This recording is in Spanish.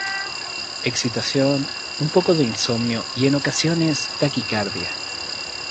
Excitación, un poco de insomnio y en ocasiones taquicardia.